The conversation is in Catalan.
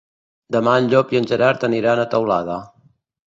Demà en Llop i en Gerard aniran a Teulada.